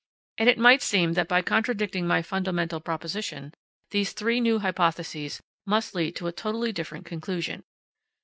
And it might seem that by contradicting my fundamental proposition, those three new hypotheses must lead to a totally different conclusion.